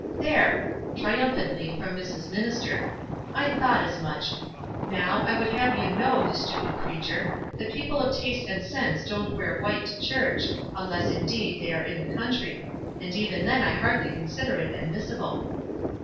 "There!" — triumphantly, from Mrs. minis ter. "I thought as much I Now, I would have you to know, you stupid creature, that people of taste and sense don't wear white to church, unless, indeed, they are in the country; and even then I hardly consider it admissible."